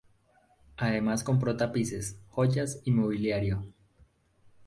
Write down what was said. Además compró tapices, joyas y mobiliario.